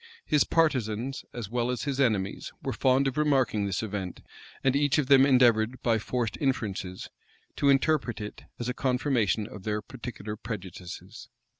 His partisans, as well as his enemies, were fond of remarking this event; and each of them endeavored, by forced inferences, to interpret it as a confirmation of their particular prejudices.